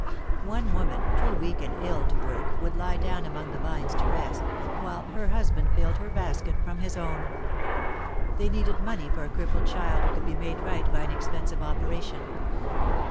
"One woman, too weak and ill to work, would lie down among the vines to rest, while her husband filled her basket from his own. They needed money for a crippled child who could be made right by an expensive operation.